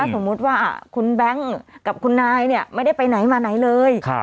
สมมุติว่าคุณแบงค์กับคุณนายเนี่ยไม่ได้ไปไหนมาไหนเลย